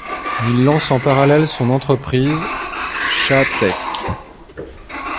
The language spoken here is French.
Il lance en parallèle son entreprise, Chahtech.